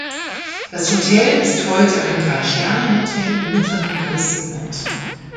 Das Hotel ist heute ein Drei-Sterne-Hotel im mittleren Preissegment.